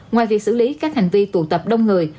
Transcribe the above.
ngoài việc xử lý các hành vi tụ tập đông người